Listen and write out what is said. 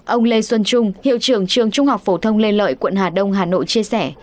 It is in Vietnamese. ông lê xuân trung hiệu trưởng trường trung học phổ thông lê lợi quận hà đông hà nội chia sẻ